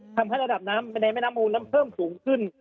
ทำให้ระดับน้ำในแม่น้ำมูลนั้นเพิ่มสูงขึ้น